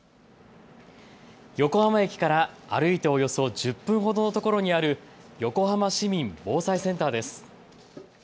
横浜駅から歩いておよそ１０分ほどの所にある横浜市民防災センターです。